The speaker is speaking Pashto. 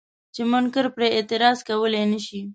چې منکر پرې اعتراض کولی نه شي.